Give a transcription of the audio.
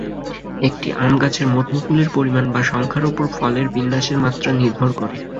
একটি আম গাছের মোট মুকুলের পরিমাণ বা সংখ্যার ওপর ফলের বিন্যাসের মাত্রা নির্ভর করে।